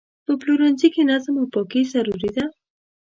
په پلورنځي کې نظم او پاکي ضروري ده.